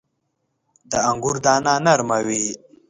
• د انګورو دانه نرمه وي.